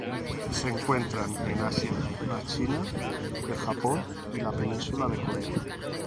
Se encuentran en Asia: la China, el Japón y la Península de Corea.